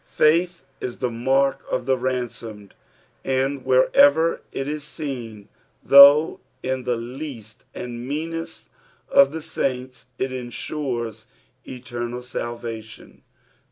Faith is tbe mark of the ransomed, and wherever it b seen, though in the least and meanest of the saints, it ensures eternal salvation.